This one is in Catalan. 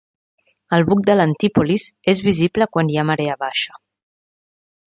El buc de l'Antipolis és visible quan hi ha marea baixa.